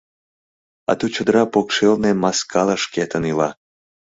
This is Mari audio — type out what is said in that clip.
Ато чодыра покшелне маскала шкетын ила.